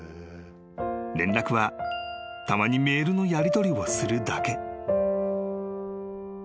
［連絡はたまにメールのやりとりをするだけ］